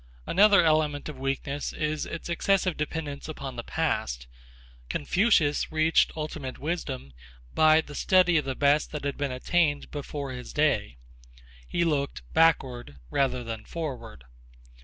Another element of weakness is its excessive dependence upon the past. Confucius reached ultimate wisdom by the study of the best that had been attained before his day. He looked backward rather than forward.